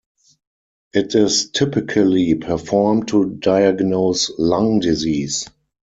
It is typically performed to diagnose lung disease.